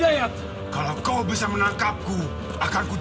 saya bisa berkembang agar berhasil